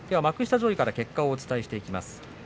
幕下上位から結果をお伝えしていきます。